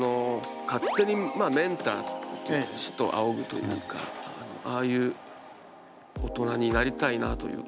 勝手にメンター師と仰ぐというかああいう大人になりたいなというか。